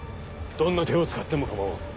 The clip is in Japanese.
どんな手を使っても構わん。